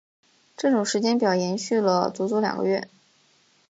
这种时间表延续了足足两个月。